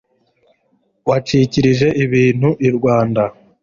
wacikirije ibintu i rwanda